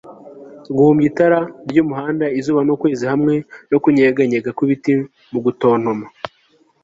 guhumbya itara ryumuhanda, izuba n'ukwezi hamwe no kunyeganyega kw'ibiti mu gutontoma